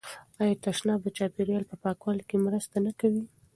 آیا تشناب د چاپیریال په پاکوالي کې مرسته نه کوي؟